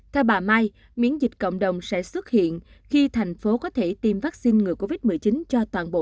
theo bà mai miễn dịch cộng đồng sẽ xuất hiện khi thành phố có thể tiêm vaccine